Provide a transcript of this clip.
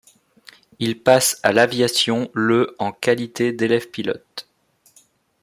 Il passe à l'aviation le en qualité d'élève pilote.